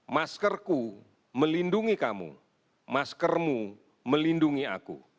maskerku melindungi kamu maskermu melindungi aku